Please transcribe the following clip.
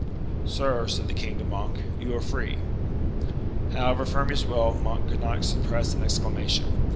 "Sir," said the king to Monk, "you are free." However firm his will, Monk could not suppress an exclamation.